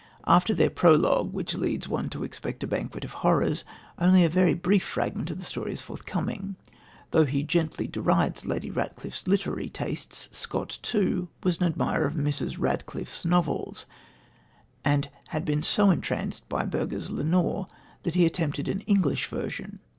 After this prologue, which leads one to expect a banquet of horrors, only a very brief fragment of the story is forthcoming. Though he gently derides Lady Ratcliffe's literary tastes, Scott, too, was an admirer of Mrs. Radcliffe's novels, and had been so entranced by Burger's Lenore that he attempted an English version.